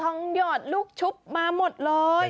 หยอดลูกชุบมาหมดเลย